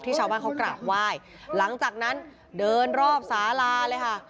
ชาวบ้านเขากราบไหว้หลังจากนั้นเดินรอบสาลาเลยค่ะ